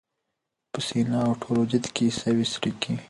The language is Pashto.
په سینه او ټول وجود کي یې سوې څړیکي